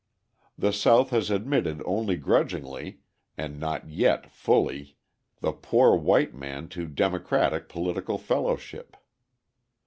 The South has admitted only grudgingly, and not yet fully, the "poor white" man to democratic political fellowship.